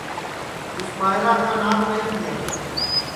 اِس ٻائیرا کا ناک نائی تیا